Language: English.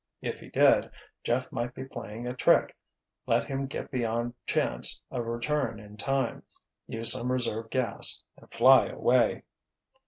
If he did, Jeff might be playing a trick, let him get beyond chance of return in time, use some reserve gas and fly away.